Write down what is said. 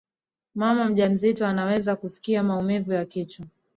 mama mjamzito anaweza kusikia maumivu ya kichwa